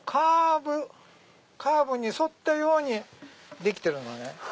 カーブに沿ったようにできてるのね。